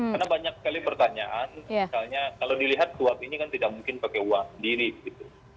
karena banyak sekali pertanyaan misalnya kalau dilihat suap ini kan tidak mungkin pakai uang sendiri gitu